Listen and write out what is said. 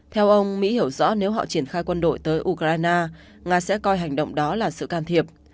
theo ông mỹ hiểu rõ nếu họ triển khai quân đội tới ukraine nga sẽ coi hành động đó là sự can thiệp